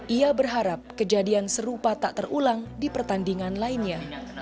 ia berharap kejadian serupa tak terulang di pertandingan lainnya